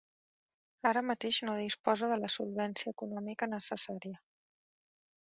Ara mateix no disposo de la solvència econòmica necessària.